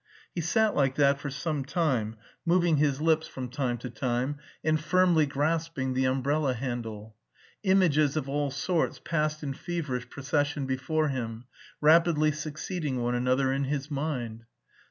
He sat like that for some time, moving his lips from time to time and firmly grasping the umbrella handle. Images of all sorts passed in feverish procession before him, rapidly succeeding one another in his mind.